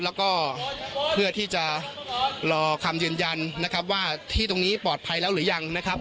แล้วก็เพื่อที่จะรอคำยืนยันนะครับว่าที่ตรงนี้ปลอดภัยแล้วหรือยังนะครับ